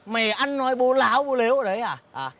mày ăn nói bố láo bố léo ở đấy à